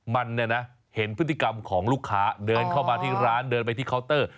มันเนี่ยนะเห็นพฤติกรรมของลูกค้าเดินเข้ามาที่ร้านเดินไปที่เคาน์เตอร์